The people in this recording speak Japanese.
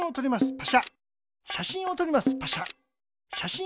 パシャ。